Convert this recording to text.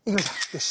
よし。